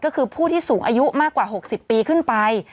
ก็คือผู้ที่สูงอายุมากกว่า๖๐ปีขึ้นไป